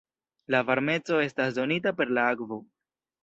La varmeco estas donita per la akvo.